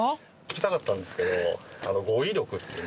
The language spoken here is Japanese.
聞きたかったんですけど。